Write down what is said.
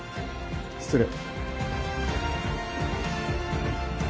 失礼。